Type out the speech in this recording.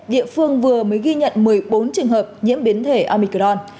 địa phương vừa mới ghi nhận một mươi bốn trường hợp nhiễm biến thể amicron